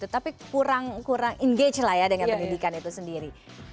tapi kurang engage dengan pendidikan itu sendiri